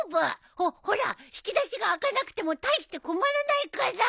ほっほら引き出しが開かなくても大して困らないから。